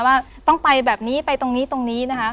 ว่าต้องไปแบบนี้ไปตรงนี้ตรงนี้นะคะ